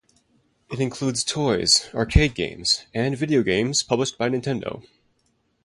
It includes toys, arcade games and video games published by Nintendo.